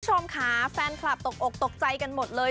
คุณผู้ชมค่ะแฟนคลับตกอกตกใจกันหมดเลย